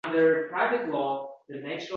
So`ng qo`shib qo`ydi